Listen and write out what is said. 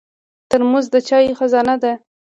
ترموز د چایو خزانه ده.